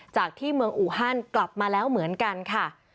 จากที่เมืองอูฮันกลับมาแล้วเหมือนกันค่ะ